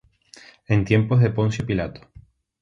en tiempos de Poncio Pilato;